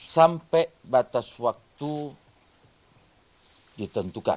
sampai batas waktu ditentukan